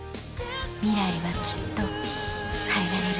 ミライはきっと変えられる